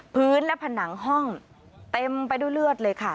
พื้นและผนังห้องเต็มไปด้วยเลือดเลยค่ะ